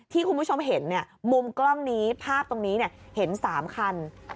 ที่คุณผู้ชมเห็นมุมกล้องนี้ภาพตรงนี้เห็น๓คัน